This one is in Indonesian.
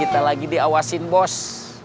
kita lagi diawasin bos